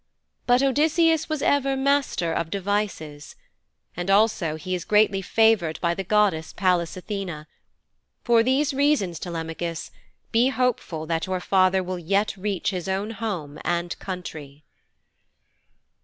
But Odysseus was ever master of devices. And also he is favoured greatly by the goddess, Pallas Athene. For these reasons, Telemachus, be hopeful that your father will yet reach his own home and country.'